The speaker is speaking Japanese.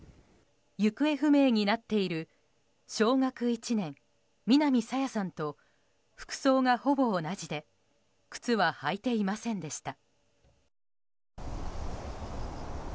行方不明になっている小学１年南朝芽さんと服装がほぼ同じで靴は履いていませんでした。